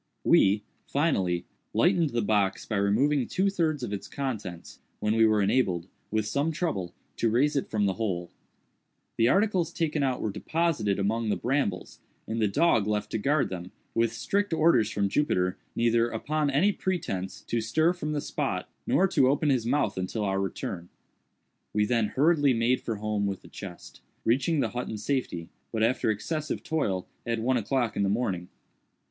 We, finally, lightened the box by removing two thirds of its contents, when we were enabled, with some trouble, to raise it from the hole. The articles taken out were deposited among the brambles, and the dog left to guard them, with strict orders from Jupiter neither, upon any pretence, to stir from the spot, nor to open his mouth until our return. We then hurriedly made for home with the chest; reaching the hut in safety, but after excessive toil, at one o'clock in the morning.